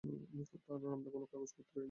কারণ আপনার কোনো কাগজ পত্রই নেই।